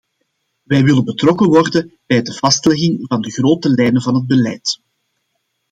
Wij willen betrokken worden bij de vastlegging van de grote lijnen van het beleid.